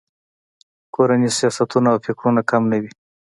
کورني سیاستونه او فکرونه کم نه وي.